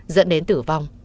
dẫn đến tử vong